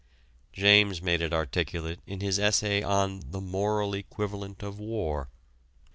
James made it articulate in his essay on "The Moral Equivalent of War."